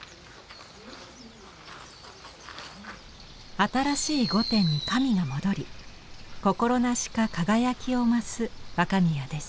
新しい御殿に神が戻り心なしか輝きを増す若宮です。